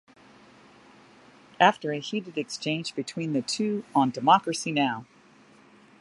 After a heated exchange between the two on Democracy Now!